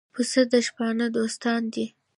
پسه د شپانه دوستان دي.